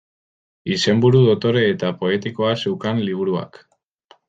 Izenburu dotore eta poetikoa zeukan liburuak.